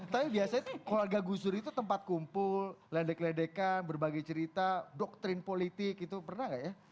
tapi biasanya tuh keluarga gus dur itu tempat kumpul ledek ledekan berbagai cerita doktrin politik itu pernah nggak ya